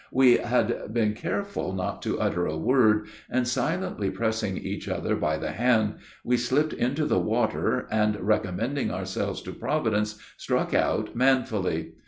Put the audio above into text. We had been careful not to utter a word, and, silently pressing each other by the hand, we slipped into the water; and, recommending ourselves to Providence, struck out manfully.